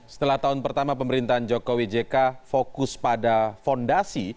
setelah tahun pertama pemerintahan jokowi jk fokus pada fondasi